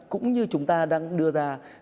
cũng như chúng ta đang đưa ra